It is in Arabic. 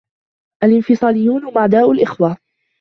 الإنفصاليون هم أعداء الأخوة.